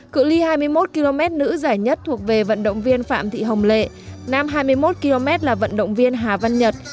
cự li hai mươi một km nữ giải nhất thuộc về vận động viên phạm thị hồng lệ nam hai mươi một km là vận động viên hà văn nhật